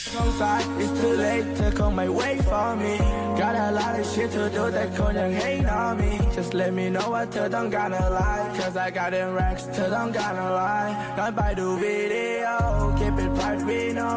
ดูวีดีโอคลิปเป็นพาร์ทวีโน่